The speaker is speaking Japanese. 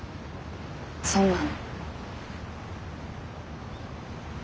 そんなの。